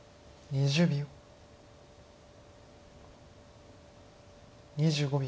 ２５秒。